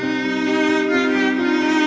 kenapa andin udah tidur sih